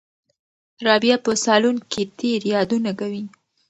رابعه په صالون کې تېر یادونه کوي.